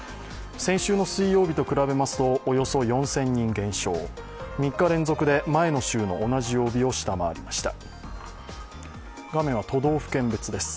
先週の水曜日と比べますとおよそ４０００人減少、３日連続で、前の週の同じ曜日を下回りました。